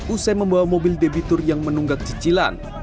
usai membawa mobil debitur yang menunggak cicilan